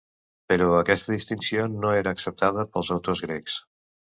Però aquesta distinció no era acceptada pels autors grecs.